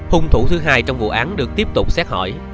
hung thủ thứ hai trong vụ án được tiếp tục xét hỏi